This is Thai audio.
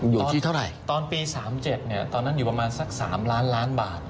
อยู่ที่เท่าไรตอนปีสามเจ็ดเนี้ยตอนนั้นอยู่ประมาณสักสามล้านล้านบาท